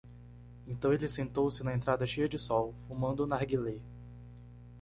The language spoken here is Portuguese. Então ele sentou-se na entrada cheia de sol, fumando o narguilé.